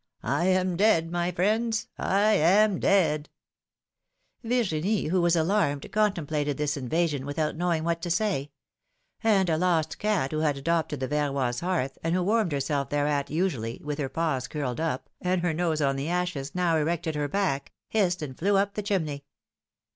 I am dead, my friends, I am dead !" Virginie, who was alarmed, contemplated this invasion without knowing what to say; and a lost cat who had adopted the Verroys' hearth, and who warmed herself thereat usually, with her paws curled up, and her nose on the ashes, now erected her back, hissed, and flew up the chimney.